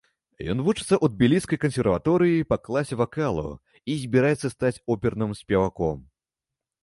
Ён вучыцца ў тбіліскай кансерваторыі па класе вакалу, і збіраецца стаць оперным спеваком.